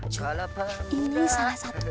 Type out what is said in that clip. cu ini salah satunya